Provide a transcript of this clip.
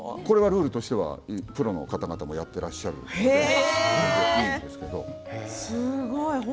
これはルールとしてプロの方々もやってらっしゃるのすごい。